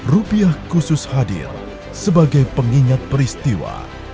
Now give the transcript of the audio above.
rupiah khusus hadir sebagai pengingat peristiwa